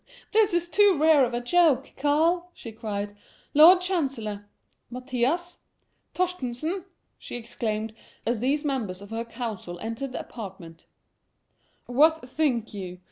this is too rare a joke, Karl," she cried. "Lord Chancellor, Mathias, Torstenson!" she exclaimed, as these members of her council entered the apartment, "what think you?